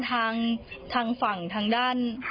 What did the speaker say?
ก็บอกก็เลยเขานอนวันนั้น